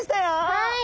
はい。